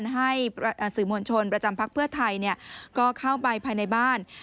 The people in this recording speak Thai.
ให้สื่อมวลชนประจำพักเพื่อไทยก็เข้าไปภายในบ้าน